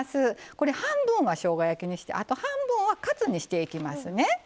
これ半分はしょうが焼きにしてあと半分はカツにしていきますね。